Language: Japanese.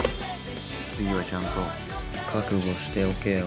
次はちゃんと覚悟しておけよ。